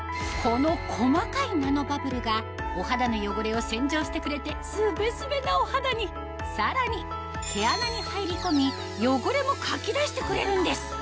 この細かいナノバブルがお肌の汚れを洗浄してくれてスベスベなお肌にさらに毛穴に入り込み汚れもかき出してくれるんです